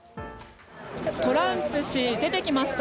トランプ氏出てきました。